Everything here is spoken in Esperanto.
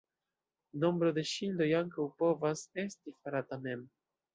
Nombro de ŝildoj ankaŭ povas esti farata mem.